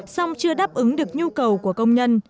song chưa đáp ứng được nhu cầu của công nhân